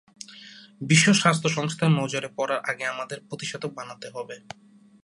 বিশ্ব স্বাস্থ্য সংস্থার নজরে পড়ার আগে আমাদের প্রতিষেধক বানাতে হবে।